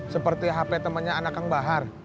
seperti hp temannya anak kang bahar